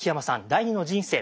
第２の人生。